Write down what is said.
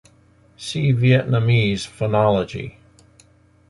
See Vietnamese phonology.